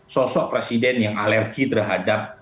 sosok presiden yang alergi terhadap